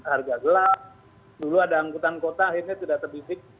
adalah dulu ada angkutan kota akhirnya tidak terbitik